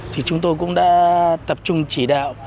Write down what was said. thì chúng tôi cũng đã tập trung chỉ đạo